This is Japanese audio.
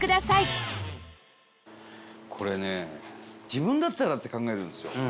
伊達：これね、自分だったらって考えるんですよ。